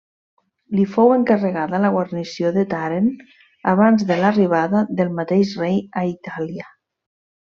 Li fou encarregada la guarnició de Tàrent abans de l'arribada del mateix rei a Itàlia.